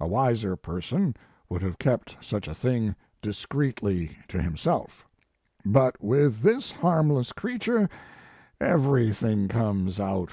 A wiser person would have kept such a thing dis creetly to himself, but with this harmless creature everything comes out.